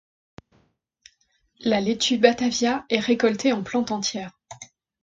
La laitue batavia est récoltée en plante entière.